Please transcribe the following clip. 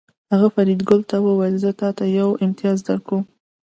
هغه فریدګل ته وویل چې زه تاته یو امتیاز درکوم